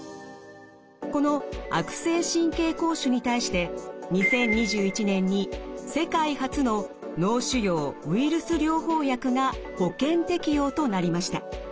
この悪性神経膠腫に対して２０２１年に世界初の脳腫瘍ウイルス療法薬が保険適用となりました。